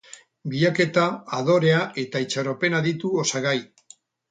Bilaketa, adorea eta itxaropena ditu osagai.